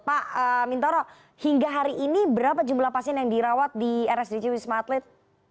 pak mintoro hingga hari ini berapa jumlah pasien yang dirawat di rsdc wisma atlet